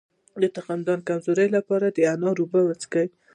د تخمدان د کمزوری لپاره د انار اوبه وڅښئ